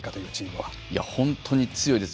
本当に強いです。